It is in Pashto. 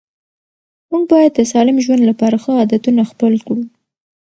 موږ باید د سالم ژوند لپاره ښه عادتونه خپل کړو